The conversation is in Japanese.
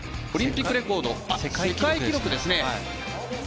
オリンピックレコード世界記録ですね。